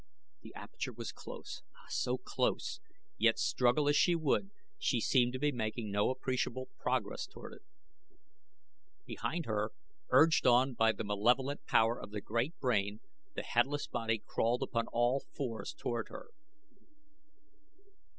The aperture was close, ah, so close, yet, struggle as she would, she seemed to be making no appreciable progress toward it. Behind her, urged on by the malevolent power of the great brain, the headless body crawled upon all fours toward her.